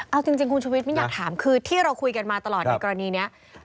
เอาจริงคุณชุวิตมิ้นอยากถามคือที่เราคุยกันมาตลอดในกรณีนี้